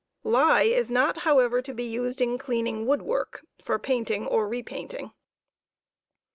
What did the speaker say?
Lye is not, however, to be used in cleaning wood ♦ work for painting or repainting.